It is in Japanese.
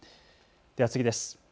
では次です。